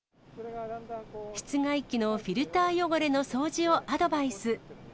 室外機のフィルター汚れの掃除をアドバイス。